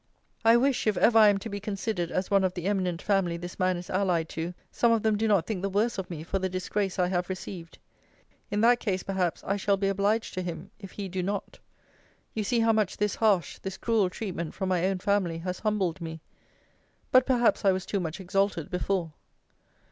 I wish, if ever I am to be considered as one of the eminent family this man is allied to, some of them do not think the worse of me for the disgrace I have received. In that case, perhaps, I shall be obliged to him, if he do not. You see how much this harsh, this cruel treatment from my own family has humbled me! But perhaps I was too much exalted before.